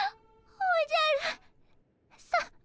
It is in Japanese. おじゃるさま。